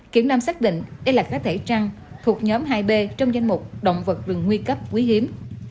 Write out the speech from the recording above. kiểm lâm xác định đây là các thể trăn thuộc nhóm hai b trong danh mục động vật rừng nguy cấp quý hiếm